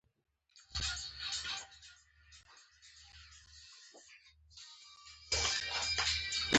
د خپلې مور په له لاسه ورکولو يې د غم څکه وکړه.